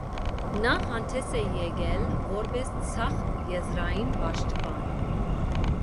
Նա հանդես է եկել որպես ձախ եզրային պաշտպան։